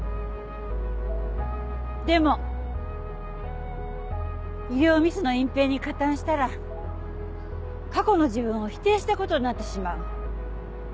でも医療ミスの隠蔽に加担したら過去の自分を否定したことになってしまう。